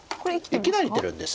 生きられてるんです。